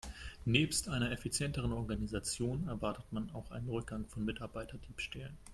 Nebst einer effizienteren Organisation erwartet man auch einen Rückgang von Mitarbeiterdiebstählen.